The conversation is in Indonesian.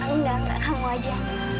enggak enggak kamu aja